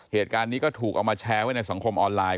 เหตุการณ์นี้ก็ถูกเอามาแชร์ไว้ในสังคมออนไลน์